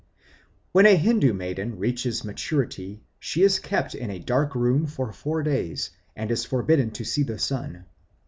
When a Hindoo maiden reaches maturity she is kept in a dark room for four days, and is forbidden to see the sun.